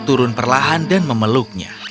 dan perlahan perlahan dia turun dan memeluknya